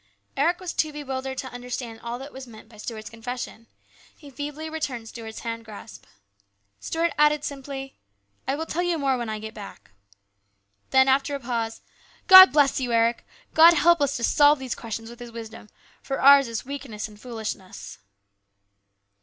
Eric was too bewildered to understand all that was meant by Stuart's confession. He feebly returned Stuart's hand grasp. Stuart added simply, " I will tell you more when I get back." Then, after a pause, " God bless you, Eric ! God help us to solve these questions with His wisdom, for ours is weakness and foolishness."